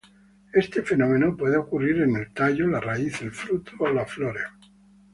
Este fenómeno puede ocurrir en el tallo, la raíz, el fruto o las flores.